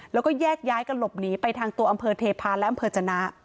แล้วก็แยกย้ายกันหลบหนีไปทางตัวอำเภอเทพาะและอำเภอจนะ